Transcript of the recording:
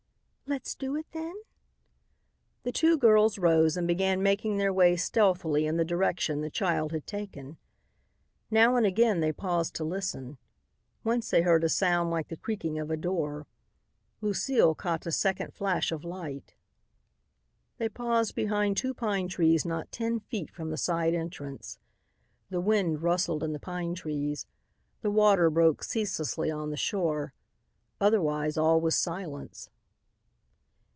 "Let's do it then?" The two girls rose and began making their way stealthily in the direction the child had taken. Now and again they paused to listen. Once they heard a sound like the creaking of a door. Lucile caught a second flash of light. They paused behind two pine trees not ten feet from the side entrance. The wind rustled in the pine trees. The water broke ceaselessly on the shore. Otherwise all was silence.